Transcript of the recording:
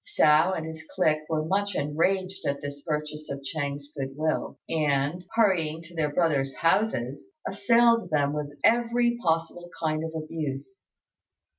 Hsiao and his clique were much enraged at this purchase of Ch'êng's good will, and, hurrying to their brothers' houses, assailed them with every possible kind of abuse.